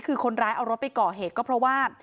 คือคนร้ายเอารถไปก่อเหตุก็เพราะว่า